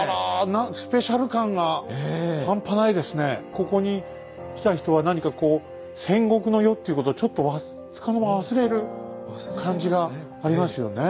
ここに来た人は何かこう戦国の世っていうことをちょっとつかの間忘れる感じがありますよね。